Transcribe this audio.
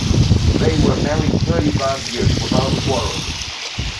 They were married thirty-five years without a quarrel.